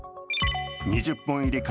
２０本入り紙